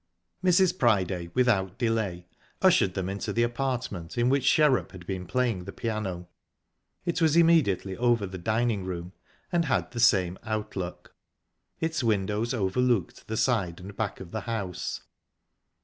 Mrs. Priday without delay ushered them into the apartment in which Sherrup had been playing the piano. It was immediately over the dining room, and had the same outlook; its windows overlooked the side and back of the house.